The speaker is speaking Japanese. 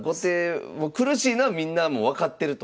もう苦しいのはみんなもう分かってると。